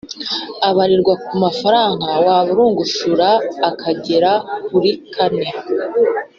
abarirwa ku mafaranga waburungushura akagera kuri kane